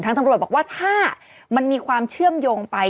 ตำรวจบอกว่าถ้ามันมีความเชื่อมโยงไป